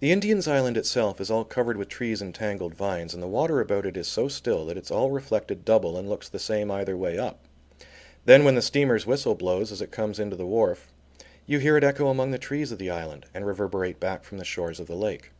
The Indian's Island itself is all covered with trees and tangled vines, and the water about it is so still that it's all reflected double and looks the same either way up. Then when the steamer's whistle blows as it comes into the wharf, you hear it echo among the trees of the island, and reverberate back from the shores of the lake.